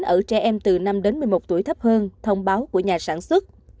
ở trẻ em từ năm đến một mươi một tuổi thấp hơn thông báo của nhà sản xuất